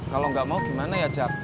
kalau gak mau gimana ya jap